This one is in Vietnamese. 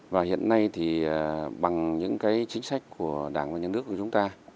và hiện nay thì bằng những chính sách của đảng và nhân nước của chúng ta